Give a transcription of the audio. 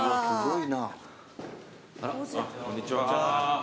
こんにちは。